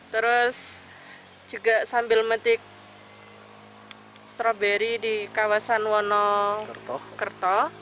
terus juga sambil metik stroberi di kawasan wonong kerto